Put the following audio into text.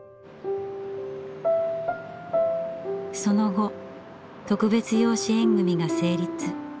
その後特別養子縁組が成立。